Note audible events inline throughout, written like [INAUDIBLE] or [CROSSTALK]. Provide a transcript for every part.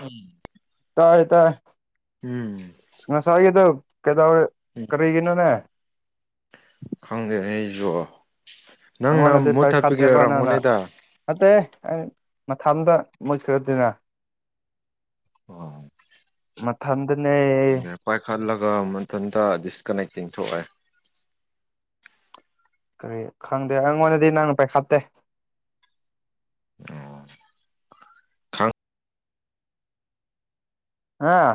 ꯎꯝ ꯇꯥꯏ ꯇꯥꯏ ꯎꯝ ꯉꯁꯥꯏꯒꯤꯗ ꯀꯩꯗꯧ ꯀꯔꯤꯒꯤꯅꯣꯅꯦ ꯈꯪꯗꯦꯅꯦ ꯑꯩꯁꯨ ꯅꯪꯅ ꯑꯩꯉꯣꯟꯗꯗꯤ ꯃꯨ ꯊꯠꯄꯒꯤ ꯄꯥꯏꯈꯠꯇꯦꯕ ꯅꯪꯅ ꯑꯣꯏꯔꯝꯒꯅꯤꯗ ꯅꯠꯇꯦ ꯑꯩ ꯃꯊꯥꯗ ꯃꯨꯠꯈ꯭ꯔꯗꯅ ꯑꯣ ꯃꯊꯟꯗꯅꯦ ꯍꯣꯏ ꯈꯜꯂꯒ ꯃꯊꯟꯇ ꯗꯤꯁꯀꯅꯛꯇꯤꯡ ꯊꯣꯛꯑꯦ ꯀꯔꯤ ꯈꯪꯗꯦ ꯑꯩꯉꯣꯟꯗꯗꯤ ꯅꯪꯅ ꯄꯩꯈꯥꯠꯇꯦ ꯑꯣ ꯑꯥ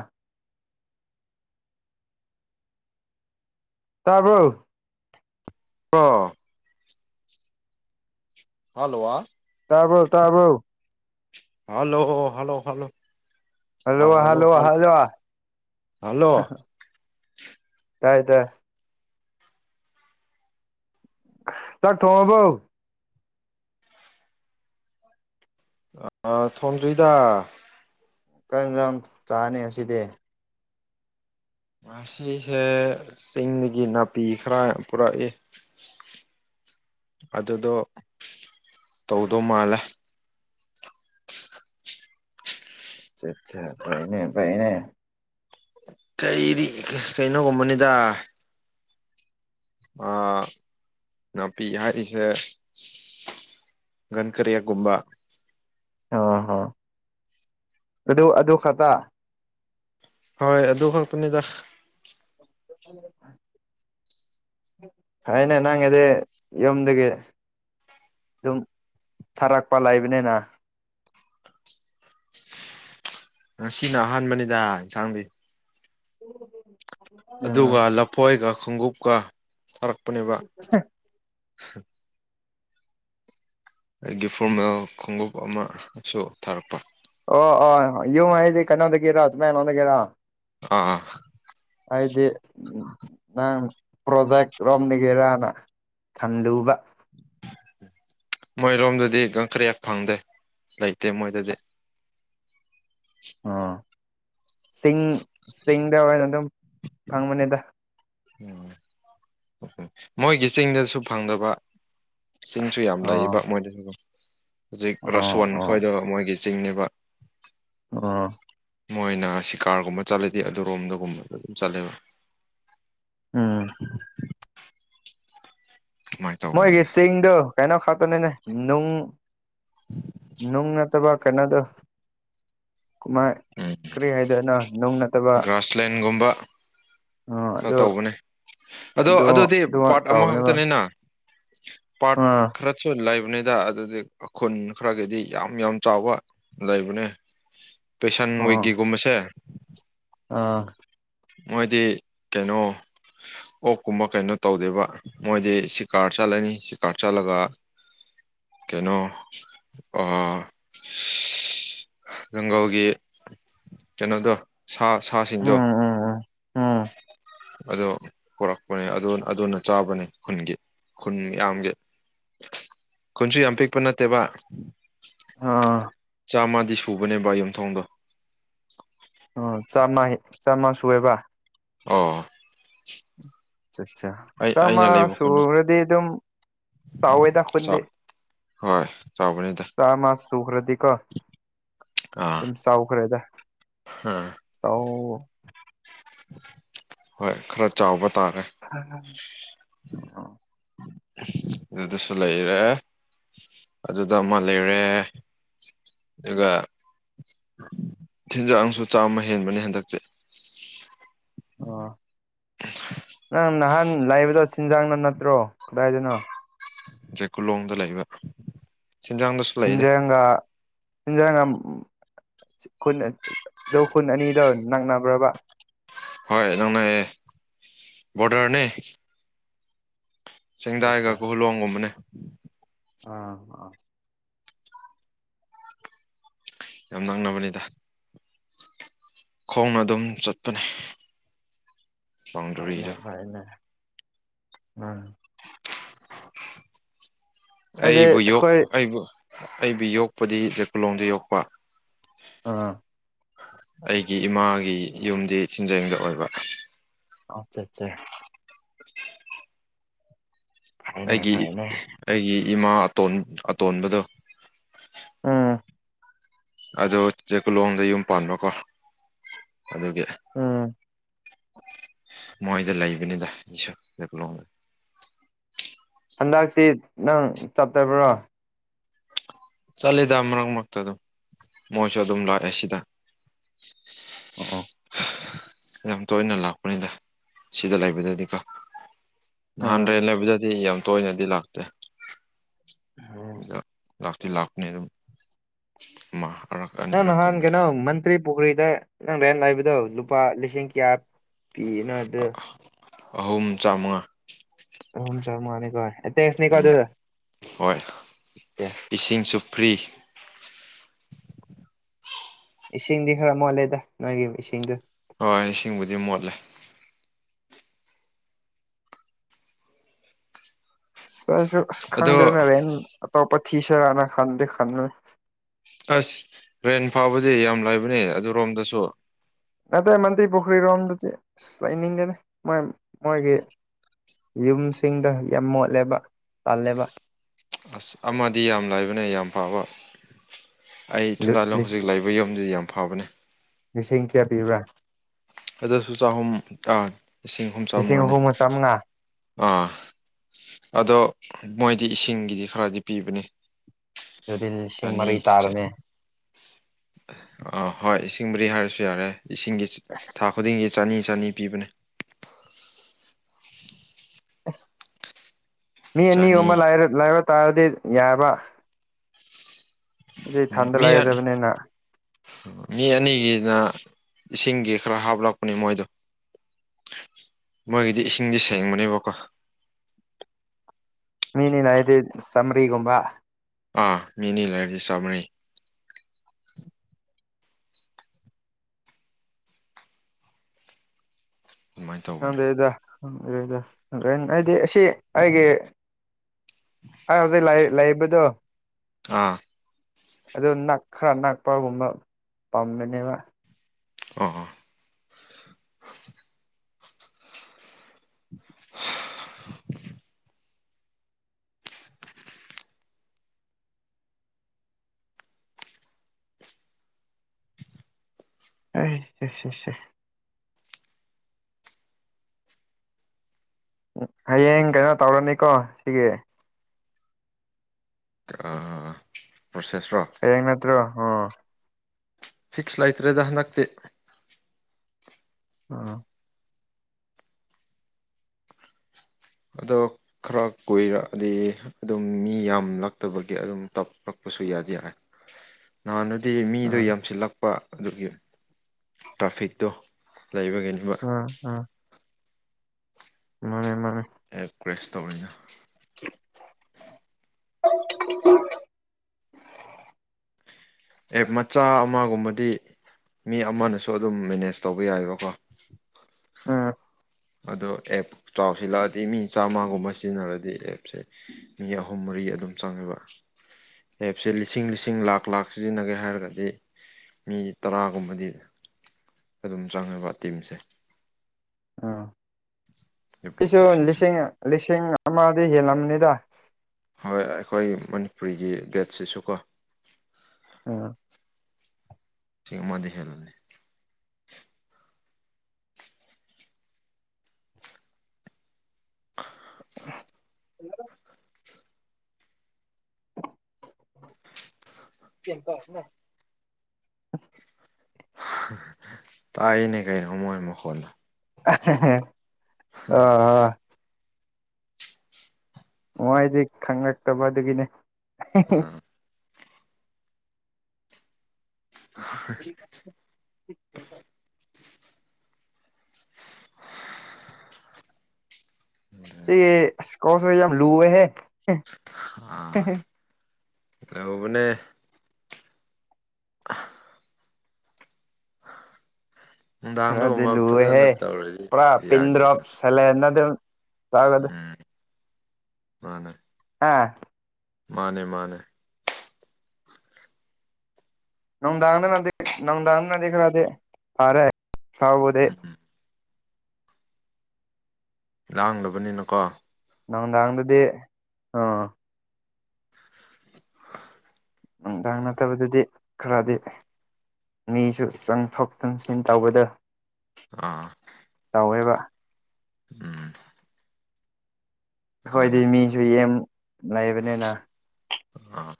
ꯇꯥꯕ꯭ꯔꯣ ꯑꯣ ꯍꯜꯂꯣꯋꯥ ꯇꯥꯕꯣ ꯇꯥꯕꯣ hello hello hello hello hello hello ꯇꯥꯏ ꯇ ꯆꯥꯛ ꯊꯣꯡꯉꯕꯣ ꯑ ꯊꯣꯟꯗ꯭ꯔꯤꯗ ꯀꯔꯤ ꯌꯦꯡꯁꯥꯟ ꯆꯥꯅꯤ ꯉꯁꯤꯗꯤ ꯃꯁꯤꯁꯦ ꯆꯤꯡꯗꯒꯤ ꯅꯥꯄꯤ ꯈꯔ ꯄꯨꯔꯛꯏ ꯑꯗꯨꯗꯣ ꯇꯧꯗꯧ ꯃꯥꯜꯂꯦ ꯑꯆꯥ ꯆꯥ ꯐꯩꯅꯦ ꯐꯩꯅꯦ ꯀꯩꯗꯤ ꯀꯩꯅꯣꯒꯨꯝꯕꯅꯤꯗ ꯑꯥ ꯅꯥꯄꯤ ꯍꯥꯏꯔꯤꯁꯦ ꯀꯟꯀꯔꯦꯛꯒꯨꯝꯕ ꯑ ꯍꯣ ꯑꯗꯨ ꯑꯗꯨ ꯈꯛꯇ ꯍꯣꯏ ꯑꯗꯨ ꯈꯛꯇꯅꯤꯗ ꯑꯟꯑꯣꯗꯤꯕꯜ ꯍꯥꯏꯅꯦ ꯅꯪꯒꯗꯤ ꯌꯨꯝꯗꯒꯤ ꯑꯗꯨꯝ ꯊꯔꯛꯄ ꯂꯩꯕꯅꯤꯅ ꯉꯁꯤꯅ ꯑꯍꯥꯟꯕꯅꯤꯗ ꯆꯪꯗꯦ ꯑꯟꯑꯣꯗꯤꯕꯜ ꯑꯗꯨꯒ ꯂꯐꯣꯏꯒ ꯈꯣꯡꯎꯞꯀ ꯊꯥꯔꯛꯄꯅꯦꯕ ꯑꯩꯒꯤ ꯐꯣꯔꯃꯦꯜ ꯈꯣꯡꯎꯞ ꯑꯃꯁꯨ ꯊꯥꯔꯛꯄ ꯑꯣ ꯑꯣ ꯌꯨꯝ ꯍꯥꯏꯗꯤ ꯀꯩꯅꯣꯗꯒꯤꯔ ꯇꯃꯦꯡꯂꯣꯡꯗꯒꯤꯔ ꯑꯥ ꯑꯩꯗꯤ ꯅꯪ ꯄ꯭ꯔꯣꯖꯦꯛ ꯔꯣꯝꯗꯒꯤꯔꯥꯅ ꯈꯥꯜꯂꯨꯕ ꯃꯣꯏꯔꯣꯝꯗꯗꯤ ꯀꯔꯤ [INAUDIBLE] ꯍꯦꯛ ꯐꯪꯗꯦ ꯂꯩꯇꯦ ꯃꯣꯏꯗꯗꯤ ꯑꯣ ꯆꯤꯡ ꯆꯤꯡꯗ ꯑꯣꯏꯅ ꯑꯗꯨꯝ ꯐꯪꯕꯅꯤꯗ ꯃꯣꯏꯒꯤ ꯆꯤꯡꯗꯁꯨ ꯐꯪꯗꯕ ꯆꯤꯡꯁꯨ ꯌꯥꯝ ꯑꯣ ꯂꯩꯌꯦꯕ ꯃꯣꯏꯗꯤ ꯍꯧꯖꯤꯛ ꯑꯣ ꯔꯥꯁꯣꯟ ꯑꯣ ꯈꯣꯏꯗꯣ ꯃꯣꯏꯒꯤ ꯆꯤꯡꯅꯦꯕ ꯑꯣ ꯃꯣꯏꯅ ꯁꯤꯀꯥꯔꯒꯨꯝꯕ ꯆꯠꯂꯗꯤ ꯑꯗꯨꯔꯣꯝꯗꯒꯨꯝꯕꯗ ꯑꯗꯨꯝ ꯆꯠꯂꯦꯕ ꯎꯝ ꯍꯣꯏ ꯃꯣꯏꯒꯤ ꯆꯤꯡꯗꯣ ꯀꯩꯅꯣ ꯈꯠꯇꯅꯤꯅꯦ ꯅꯨꯡ ꯅꯨꯡ ꯅꯠꯇꯕ ꯀꯩꯅꯣꯗꯣ ꯑꯃ ꯎꯝ ꯒ꯭ꯔꯥꯁꯂꯦꯟꯒꯨꯝꯕ ꯑ ꯈꯔ ꯑꯗꯨ ꯇꯧꯕꯅꯦ ꯑꯗꯣ ꯑꯗꯨ ꯑꯗꯨꯗꯤ ꯑꯗꯨ ꯄꯥꯔꯠ ꯇꯧꯕꯅꯦꯕ ꯑꯃꯈꯛꯇꯅꯤꯅ ꯄꯥꯔꯠ ꯑꯥ ꯈꯔ ꯁꯨ ꯂꯩꯕꯅꯤꯗ ꯑꯗꯨꯗꯤ ꯈꯨꯟ ꯈꯔꯒꯤꯗꯤ ꯌꯥꯝ ꯌꯥꯝ ꯆꯥꯎꯕ ꯂꯩꯕꯅꯦ ꯀꯩꯁꯟ ꯑꯥ ꯍꯣꯢꯒꯤꯒꯨꯝꯕꯁꯦ ꯑꯥ ꯃꯣꯏꯗꯤ ꯀꯩꯅꯣ ꯑꯣꯛ ꯀꯨꯝꯕ ꯀꯩꯅꯣ ꯇꯧꯗꯦꯕ ꯃꯣꯏꯗꯤ ꯁꯤꯀꯥꯔ ꯆꯠꯂꯅꯤ ꯁꯤꯀꯥꯔ ꯆꯠꯂꯒ ꯀꯩꯅꯣ ꯑꯥ ꯖꯪꯒꯜꯒꯤ ꯀꯩꯅꯣꯗꯣ ꯁꯥ ꯁꯥꯁꯤꯡꯗꯣ ꯑꯝ ꯑꯗꯣ ꯄꯣꯔꯛꯄꯅꯦ ꯑꯗꯨꯅ ꯆꯥꯕꯅꯦ ꯈꯨꯟꯒꯤ ꯈꯨꯟ ꯃꯌꯥꯝꯒꯤ ꯈꯨꯟꯁꯨ ꯌꯥꯝ ꯄꯤꯛꯄ ꯅꯠꯇꯦꯕ ꯎꯝ ꯆꯥꯝꯃꯗꯤ ꯁꯨꯕꯅꯦꯕ ꯌꯨꯝꯊꯣꯡꯗꯣ ꯎꯝ ꯆꯥꯝꯃ ꯆꯥꯝꯃ ꯁꯨꯑꯦꯕ ꯑꯣ ꯑꯆꯥ ꯆꯥ ꯑꯩ ꯆꯃꯥ ꯑꯩꯅ ꯂꯩꯕ ꯈꯨꯟꯗꯣ ꯁꯨꯔꯗꯤ ꯑꯗꯨꯝ ꯇꯋꯦꯗ ꯆꯥ ꯈꯣꯟꯗꯦ ꯍꯣꯏ ꯆꯥꯎꯕꯅꯤꯗ ꯆꯥ ꯃꯥꯁ ꯁꯨꯈ꯭ꯔꯦꯗꯤ ꯀ ꯁꯥꯥꯎꯈ꯭ꯔꯦꯗ ꯍꯥꯝ ꯑ ꯍꯣꯏ ꯈꯔ ꯆꯥꯎꯕ ꯇꯥꯈꯦ ꯍ ꯑꯗꯨꯗꯁꯨ ꯂꯩꯔꯦ ꯑꯗꯨꯗ ꯑꯃ ꯂꯩꯔꯦ ꯑꯗꯨꯒ ꯊꯤꯟꯖꯥꯡꯁꯨ ꯆꯥꯝꯃ ꯍꯦꯟꯕꯅꯦ ꯍꯟꯗꯛꯇꯤ ꯑꯣ ꯅꯪ ꯅꯍꯥꯟ ꯂꯥꯏꯕꯗꯣ ꯁꯦꯟꯖꯥꯡꯅ ꯅꯠꯇ꯭ꯔꯣ ꯀꯗꯥꯏꯗꯅꯣ ꯆꯩꯀꯨꯟꯂꯣꯡꯗ ꯂꯩꯕ ꯆꯤꯟꯖꯥꯡꯗꯁꯨ ꯁꯤꯟꯖꯒ [INAUDIBLE] ꯍꯤꯟꯖꯥꯡ ꯈꯨꯟ ꯑꯗꯣ ꯈꯨꯟ ꯑꯅꯤꯗꯣ ꯅꯛꯅꯕ꯭ꯔꯕ ꯍꯣꯏ ꯅꯥꯛꯅꯩꯌꯦ ꯕꯣꯔꯗꯔꯅꯦ ꯑꯆꯥ ꯁꯦꯡꯗꯥꯏꯒ ꯀꯥꯈꯨꯂꯣꯡꯒꯨꯝꯕꯅꯦ ꯑꯥ ꯌꯥꯝ ꯅꯥꯡꯅꯕꯅꯤꯗ ꯈꯣꯡꯅ ꯑꯗꯨꯝ ꯆꯠꯄꯅꯦ ꯑꯗꯨꯅꯦ ꯕꯥꯎꯟꯗꯔꯤꯗꯣ ꯑꯗꯨꯅꯦ ꯎꯝ ꯑꯩꯗꯤ ꯑꯩꯕꯨ ꯌꯣꯛ ꯑꯩꯈꯣꯏ ꯑꯩꯕꯨ ꯑꯩꯕꯨ ꯌꯣꯛꯄꯗꯤ ꯆꯖꯀꯨꯂꯣꯡꯗ ꯌꯣꯛꯄ ꯑꯥ ꯑꯩꯒꯤ ꯏꯃꯥꯒꯤ ꯌꯨꯝꯗꯤ ꯊꯤꯟꯖꯩꯗ ꯑꯣꯏꯕ ꯑꯆꯥ ꯑꯠꯆꯥ ꯐꯩꯅꯦ ꯑꯩꯒꯤ ꯐꯩꯅꯦ ꯑꯩꯒꯤ ꯏꯃꯥ ꯑꯇꯣꯟ ꯑꯇꯣꯟꯕꯗꯣ ꯎꯝ ꯑꯗꯣ ꯆꯦꯛꯀꯨꯂꯣꯡꯗ ꯌꯨꯝ ꯄꯥꯟꯕꯀꯣ ꯑꯗꯨꯒꯤ ꯎꯝ ꯃꯣꯏꯗ ꯂꯩꯕꯅꯤꯗ ꯁꯨꯂꯣꯡꯗ ꯍꯟꯗꯛꯇꯤ ꯅꯪ ꯆꯠꯇꯕ꯭ꯔꯣ ꯆꯠꯂꯤꯗ ꯃꯔꯛ ꯃꯔꯛꯇ ꯑꯗꯨꯝ ꯃꯣꯏꯁꯨ ꯑꯗꯨꯝ ꯂꯥꯛꯑꯦ ꯁꯤꯗ ꯑꯣ ꯑꯣ ꯌꯥꯝ ꯇꯣꯏꯅ ꯂꯥꯛꯄꯅꯤꯗ ꯁꯤꯗ ꯂꯩꯕꯗꯗꯤꯀꯣ ꯑꯥ ꯅꯍꯥꯟꯗ꯭ꯔꯦꯟ ꯂꯩꯕꯗꯗꯤ ꯌꯥꯝ ꯇꯣꯏꯅꯗꯤ ꯂꯥꯛꯇꯦ ꯎꯝ ꯂꯥꯛꯇꯤ ꯂꯥꯛꯅꯤ ꯑꯗꯨꯝ ꯑꯔꯛ ꯅꯪ ꯅꯍꯥꯟ ꯑꯅꯤꯔꯛꯀꯨꯝꯕꯗꯤ ꯀꯩꯅꯣ ꯃꯟꯇ꯭ꯔꯤ ꯄꯨꯈ꯭ꯔꯤꯗ ꯅꯪ ꯔꯦꯟ ꯂꯩꯕꯗꯣ ꯂꯨꯄꯥ ꯂꯤꯁꯤꯡ ꯀꯌꯥ ꯐꯅꯗ ꯑꯍꯨꯝ ꯆꯥꯃꯉꯥ ꯑꯝ ꯆ ꯃꯥꯅꯤꯀꯣ ꯑꯦꯠꯇꯩꯁꯅꯤꯀꯣ ꯎꯝ ꯑꯗꯨꯗ ꯍꯣꯏ ꯏꯁꯤꯡꯁꯨ ꯐ꯭ꯔꯤ ꯏꯁꯤꯡꯗꯤ ꯈꯔ ꯃꯣꯠꯂꯦꯗ ꯅꯣꯏꯒꯤ ꯏꯁꯤꯡꯗꯣ ꯍꯣꯏ ꯏꯁꯤꯡꯕꯨꯗꯤ ꯃꯣꯠꯂꯦ ꯁꯁꯨ ꯑꯁ ꯑꯗꯣ ꯈꯪꯗꯦꯅ ꯔꯦꯟ ꯑꯇꯣꯞꯄ ꯊꯁꯤꯔꯅ ꯈꯟꯗꯦ ꯈꯟ ꯑꯁ ꯔꯦꯟ ꯐꯥꯕꯗꯤ ꯌꯥꯝ ꯂꯥꯏꯕꯅꯦ ꯑꯗꯨꯔꯣꯝꯗꯁꯨ ꯅꯇꯩ ꯃꯟꯇꯤ ꯄꯨꯈ꯭ꯔꯤꯔꯣꯝꯗꯗꯤ ꯂꯩꯅꯤꯡꯗꯦꯅꯦ ꯃꯣꯏ ꯃꯣꯏꯒꯤ ꯌꯨꯝꯁꯤꯡꯗ ꯌꯥꯝ ꯃꯣꯠꯂꯦꯕ ꯇꯥꯜꯂꯦꯕ ꯑꯁ ꯑꯃꯗꯤ ꯌꯥꯝ ꯂꯥꯏꯕꯅꯦ ꯌꯥꯝ ꯐꯕ ꯑꯩ ꯊꯟꯗꯥꯂꯣꯡ ꯍꯧꯖꯤꯛ ꯂꯩꯕ ꯌꯨꯝꯗꯨꯗꯤ ꯌꯥꯝ ꯐꯕꯅꯦ ꯂꯤꯁꯤꯡ ꯀꯌꯥ ꯄꯤꯕ꯭ꯔꯥ ꯑꯗꯨꯁꯨ ꯆꯥꯍꯨꯝ ꯂꯤꯁꯤꯡ ꯑꯍꯨꯝ ꯂꯤꯁꯤꯡ ꯆꯥꯝꯃꯉꯥꯅꯤ ꯑꯍꯨꯝꯒ ꯆꯥꯝꯃꯉꯥ ꯑꯥ ꯑꯗꯣ ꯃꯣꯏꯗꯤ ꯏꯁꯤꯡꯒꯤꯗꯤ ꯈꯔꯗꯤ ꯄꯤꯕꯅꯤ ꯑꯗꯨꯗꯤ ꯂꯤꯁꯤꯡ ꯃꯔꯤ ꯇꯥꯔꯃꯦ ꯑꯥ ꯍꯣꯏ ꯏꯁꯤꯡ ꯃꯔꯤ ꯍꯥꯏꯔꯁꯨ ꯌꯥꯔꯦ ꯏꯁꯤꯡꯒꯤ ꯊꯥ ꯈꯨꯗꯤꯡꯒꯤ ꯆꯅꯤ ꯆꯅꯤ ꯄꯤꯕꯅꯦ ꯃꯤ ꯑꯅꯤꯒꯨꯝꯕ ꯆꯅꯤ ꯂꯥꯏꯕ ꯇꯥꯔꯗꯤ ꯌꯥꯕ ꯑꯗꯨ ꯎꯝ ꯏꯊꯟꯗ ꯃꯤ ꯂꯩꯒꯗꯕꯅꯤꯅ ꯃꯤ ꯑꯅꯤꯒꯤꯅ ꯏꯁꯤꯡꯒꯤ ꯈꯔ ꯍꯥꯞꯂꯛꯄꯅꯦ ꯃꯣꯏꯗꯣ ꯃꯣꯏꯒꯤꯗꯤ ꯏꯁꯤꯡꯗꯤ ꯁꯦꯡꯕꯅꯦꯕꯀꯣ ꯃꯅꯤꯤꯟ ꯍꯥꯏꯥꯏꯗꯤ ꯁꯔꯤꯒꯨꯝꯕ ꯑꯥ ꯃꯤꯅꯤ ꯂꯩꯔꯗꯤ ꯆꯥꯃꯩ ꯑꯗꯨꯃꯥꯏꯅ ꯇꯧ ꯍꯗꯦ ꯏꯗꯗ꯭ꯔꯗꯤ ꯁꯤ ꯑꯩꯒꯤ ꯍ‌ꯥꯏ ꯍꯧꯖꯤꯛ ꯂꯩ ꯂꯩꯕꯗꯣ ꯑꯥ ꯑꯗꯨ ꯅꯛ ꯈ꯭ꯔꯥ ꯅꯛꯄꯒꯨꯝꯕ ꯄꯥꯝꯕꯅꯦꯕ ꯑꯣ ꯍꯩ ꯆꯠꯁꯤꯁ‌ꯦ ꯍꯌꯦꯡ ꯀꯩꯅꯣ ꯇꯧꯔꯅꯤꯀꯣ ꯁꯤꯒꯤ ꯄ꯭ꯔꯣꯁꯦꯁ꯭ꯔꯣ ꯍꯅꯠꯇ꯭ꯔꯣ ꯑꯣ ꯐꯤꯛꯁ ꯂꯥꯏꯇ꯭ꯔꯦ ꯗꯍꯅꯥꯛꯦ ꯑ ꯑꯗꯣ ꯈꯔ ꯀꯨꯏꯔꯛꯑꯗꯤ ꯑꯗꯨꯝ ꯃꯤ ꯌꯥꯝꯂꯛꯇꯕꯒꯤ ꯑꯗꯨꯝ ꯇꯞꯂꯛꯄꯁꯨ ꯌꯥꯗꯦ ꯍꯥꯏꯔ ꯅꯍꯥꯟ ꯃꯤꯗꯣ ꯎꯝ ꯌꯥꯝꯁꯤꯜꯂꯛꯄ ꯑꯗꯨꯒꯤ ꯇ꯭ꯔꯥꯐꯤꯛꯇꯣ ꯂꯩꯕꯒꯤꯅꯤꯕ ꯎꯝ ꯎꯝ ꯃꯥꯅꯦ ꯃꯥꯅꯦ ꯑꯦꯞ ꯀ꯭ꯔꯦꯁ ꯇꯧꯔꯤꯅ [UNINTELLIGIBLE] ꯑꯦ ꯃꯆꯥ ꯑꯃꯒꯨꯝꯕꯗꯤ ꯃꯤ ꯑꯃꯅꯁꯨ ꯑꯗꯨꯝ ꯃꯦꯅꯦꯖ ꯇꯧꯕ ꯌꯥꯏꯑꯕꯀꯣ ꯑꯥ ꯑꯗꯣ ꯑꯦꯞ ꯆꯥꯎꯁꯤꯜꯂꯛꯑꯗꯤ ꯃꯤ ꯆꯥꯝꯃꯒꯨꯝꯕ ꯁꯤꯖꯤꯟꯅꯔꯗꯤ ꯑꯦꯞꯁꯦ ꯃꯤ ꯑꯍꯨꯝ ꯃꯔꯤ ꯑꯗꯨꯝ ꯆꯪꯉꯦꯕ ꯂꯦꯞꯁꯦ ꯂꯤꯁꯤꯡ ꯂꯤꯁꯤꯡ ꯂꯥꯛ ꯂꯥꯛ ꯁꯤꯖꯤꯟꯅꯒꯦ ꯍꯥꯏꯔꯒꯗꯤ ꯃꯤ ꯇꯔꯥꯒꯨꯝꯕꯗꯤ ꯑꯗꯨꯝ ꯆꯪꯉꯦꯕ ꯇꯤꯝꯁꯦ ꯎꯝ ꯁꯤꯁꯨ ꯗꯤꯕ꯭ꯂꯣꯞꯄꯔꯁꯤꯡꯁꯦ ꯂꯤꯁꯤꯡ ꯂꯤꯁꯤꯡ ꯑꯃꯗꯤ ꯍꯦꯜꯂꯝꯅꯤꯗ ꯍꯣꯏ ꯑꯩꯈꯣꯏ ꯃꯅꯤꯄꯨꯔꯤꯒꯤ ꯗꯦꯠꯁꯤꯁꯨ ꯀꯣ ꯎꯝ ꯁꯤꯡꯃꯗꯤ ꯍ‌ꯦꯜꯂꯅꯤ [UNINTELLIGIBLE] ꯍꯜꯂꯣ [UNINTELLIGIBLE] ꯇꯥꯏꯅꯦ ꯀꯩꯅꯣ ꯃꯣꯏ ꯃꯈꯣꯟ [UNINTELLIGIBLE] ꯍ‌ꯣ‌ꯍ‌ꯣ ꯃꯥꯏꯗꯤ ꯈꯪꯉꯛꯇꯕ ꯑꯗꯨꯒꯤꯅꯦ ꯑꯥ [UNINTELLIGIBLE] [UNINTELLIGIBLE] [INAUDIBLE] [UNINTELLIGIBLE] [INAUDIBLE] ꯁꯤꯒꯤ ꯑꯁ ꯀꯣꯁ‌ꯦ ꯌꯥꯝ ꯂꯨꯋꯦꯍꯦ ꯑ ꯇꯧꯕꯅ‌ꯦ [UNINTELLIGIBLE] [INAUDIBLE] ꯑꯗꯨ ꯅꯨꯡꯗꯥꯡꯗꯒꯨꯝꯕ ꯐꯖꯅ ꯂꯨꯋ‌ꯦꯍꯦ ꯇꯧꯔꯗꯤ ꯄꯨꯔꯥ ꯌꯥꯗꯤ ꯌꯥ ꯄꯤꯟꯗ꯭ꯔꯣꯞ ꯁꯥꯂ‌ꯦꯟꯗ ꯑꯗꯨꯝ ꯇꯥꯂꯗ ꯎꯝ ꯃꯥꯅꯦ ꯑꯥ ꯃꯥꯅꯦ ꯃꯥꯅꯦ ꯅꯣꯡꯗꯥꯡꯗꯅꯗꯤ ꯅꯣꯡꯗꯥꯡꯗꯅꯗꯤ ꯈꯥꯔꯗꯤ ꯐꯔꯦ ꯇꯧꯕꯗꯤ ꯎꯝ ꯂꯥꯡꯗꯕꯅꯤꯅꯀꯣ ꯅ‌ꯣꯡꯗꯥꯡꯗꯗꯤ ꯑꯥ ꯅꯨꯡꯗꯥꯡ ꯅꯠꯇꯕꯗꯗꯤ ꯈꯔꯗꯤ ꯃꯤꯁꯨ ꯆꯪꯊꯣꯛ ꯆꯪꯁꯤꯟ ꯇꯧꯕꯗꯣ ꯑꯥ ꯇꯧꯋꯦꯕ꯫ ꯎꯝ꯫ ꯑꯩꯈꯣꯏꯗꯤ ꯑꯗꯨꯅꯦ ꯃꯤꯁꯨ ꯌꯝ ꯂꯩꯕꯅꯤꯅ꯫ ꯑꯥ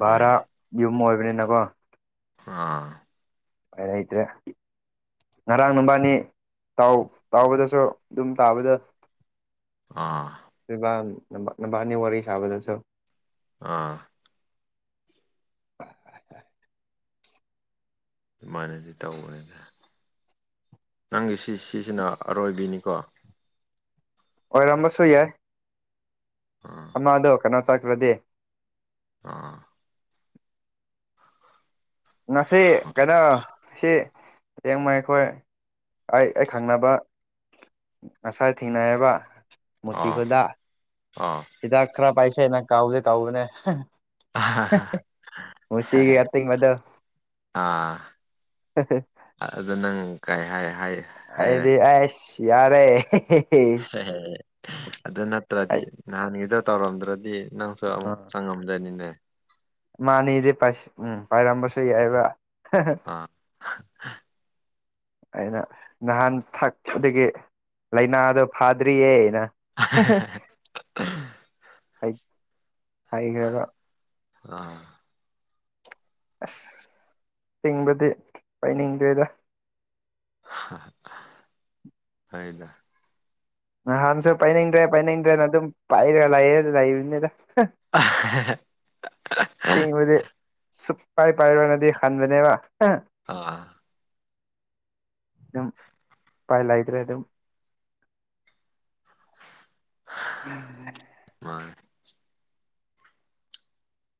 ꯚꯥꯔꯥ ꯍꯣꯏꯅꯦ ꯌꯨꯝ ꯑꯣꯏꯕꯅꯤꯅꯀꯣ꯫ ꯑꯥ꯫ ꯑꯗꯩꯗꯦ꯫ ꯉꯔꯥꯡ ꯅꯨꯕꯥꯅꯤ ꯇꯥꯎ ꯇꯥꯎꯕꯗꯁꯨ ꯑꯗꯨꯝ ꯇꯥꯕꯗꯨ꯫ ꯑꯥ ꯔꯕꯥꯟ ꯅꯕꯥꯅꯤ ꯋꯥꯔꯤ ꯁꯥꯕꯗꯁꯨ ꯑꯥ [UNINTELLIGIBLE] [INAUDIBLE] ꯑꯗꯨꯃꯥꯏꯅꯗꯤ ꯇꯧꯕꯅꯤꯗ ꯅꯪꯒꯤ ꯁꯤ ꯁꯤꯁꯤꯅ ꯑꯔꯣꯏꯕꯤꯅꯤꯀꯣ ꯑꯣꯏꯔꯝꯕꯁꯨ ꯌꯥꯏ ꯑꯥ ꯑꯃꯥꯗꯣ ꯀꯥꯅꯥ ꯆꯠꯈ꯭ꯔꯗꯤ ꯑ [UNINTELLIGIBLE] ꯉꯁꯤ ꯀꯩꯅꯣ ꯉꯁꯤ꯫ [UNINTELLIGIBLE] ꯈꯣꯏ ꯑꯩ ꯑꯩ ꯈꯪꯅꯕ ꯉꯁꯥꯏ ꯊꯦꯡꯅꯩꯑꯦꯕ꯫ ꯑꯥ ꯑꯥ꯫ ꯍꯤꯗꯥꯛ ꯈꯔ ꯄꯥꯏꯁꯦꯅ ꯀꯧꯒꯦ ꯇꯧꯕꯅꯦ꯫ [UNINTELLIGIBLE] ꯃꯣꯁꯤꯒꯤ ꯑꯇꯤꯡꯕꯗꯣ ꯑꯥ ꯑꯗꯨ ꯅꯪ ꯀꯩ ꯍꯥꯏ ꯍꯥꯏ꯫ ꯍꯥꯏꯔꯦ ꯑꯩꯗꯤ ꯑꯦꯁ ꯌꯥꯔꯦ꯫ ꯑꯦꯍꯦ ꯑꯗꯨ ꯅꯠꯇ꯭ꯔꯗꯤ ꯑꯩ ꯅꯍꯥꯟꯒꯤꯗꯣ ꯇꯧꯔꯝꯗ꯭ꯔꯗꯤ ꯅꯪ꯫ ꯆꯪ ꯑꯥ ꯆꯪꯉꯝꯗꯣꯏꯅꯤꯅꯦ ꯃꯥꯅꯤꯗꯤ ꯄꯥꯁ ꯄꯥꯏꯔꯝꯕꯁꯨ ꯌꯥꯏꯕ꯫ ꯑꯥ꯫ ꯑꯩꯅ ꯅꯍꯥꯟ ꯊꯛꯄꯗꯒꯤ ꯂꯥꯏꯅꯗꯣ ꯐꯥꯗ꯭ꯔꯤꯌꯦꯅ꯫ ꯍꯥ ꯍꯥ ꯍꯥꯏ ꯍꯥꯏꯒ꯭ꯔꯕ꯫ ꯑꯥ꯫ ꯑꯁ ꯇꯤꯡꯕꯗꯤ ꯄꯥꯏꯅꯤꯡꯗ꯭ꯔꯦꯗ꯫ ꯐꯩꯗ ꯅꯍꯥꯟꯁꯨ ꯄꯥꯏꯅꯤꯡꯗ꯭ꯔꯦ ꯄꯥꯏꯅꯤꯡꯗ꯭ꯔꯦꯅ ꯑꯗꯨꯝ ꯄꯥꯏꯔ ꯂꯩꯌꯦ ꯂꯩꯕꯅꯤꯗ꯫ [UNINTELLIGIBLE] ꯇꯤꯡꯕꯗꯤ ꯁꯨꯛꯄꯥꯏ ꯄꯥꯏꯔꯅꯗꯤ ꯍꯟꯕꯅꯦꯕ꯫ ꯑꯥ ꯑꯗꯨꯝ ꯄꯥꯏ ꯂꯥꯏꯗ꯭ꯔꯦ ꯑꯗꯨꯝ꯫ [UNINTELLIGIBLE] [UNINTELLIGIBLE]